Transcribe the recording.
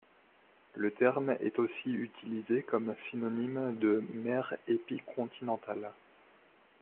Le terme est aussi utilisé comme synonyme de mer épicontinentale.